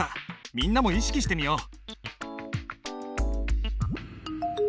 みんなも意識してみよう。